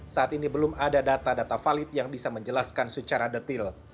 saat ini belum ada data data valid yang bisa menjelaskan secara detil